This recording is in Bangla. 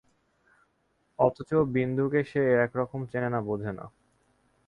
অথচ বিন্দুকে সে একরকম চেনে না, বোঝে না।